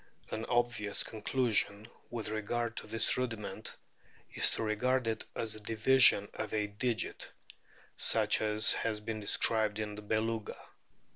An obvious conclusion with regard to this rudiment is to regard it as a division of a digit, such as has been described in o ' the Beluga.